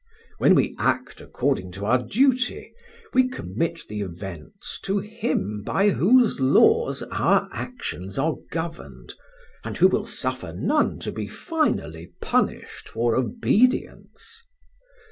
When we act according to our duty, we commit the events to Him by whose laws our actions are governed, and who will suffer none to be finally punished for obedience.